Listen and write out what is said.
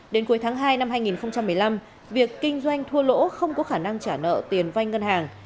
đến cuối tháng hai năm hai nghìn một mươi năm việc kinh doanh thua lỗ không có khả năng trả nợ tiền vay ngân hàng